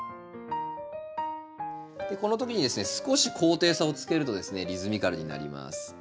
このときにですね少し高低差をつけるとリズミカルになります。